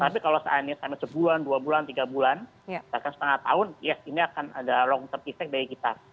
tapi kalau seandainya sampai sebulan dua bulan tiga bulan bahkan setengah tahun ya ini akan ada long term effect bagi kita